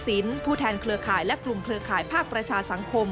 ผู้แทนเครือข่ายและกลุ่มเครือข่ายภาคประชาสังคม